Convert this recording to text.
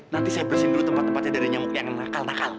nanti saya bersihin dulu tempat tempatnya dari nyamuk yang nakal nakal